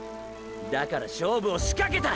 だから勝負をしかけた！！